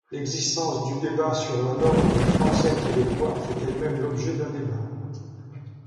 L'existence du débat sur la norme du français québécois fait elle-même l'objet d'un débat.